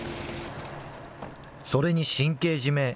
それに神経締め。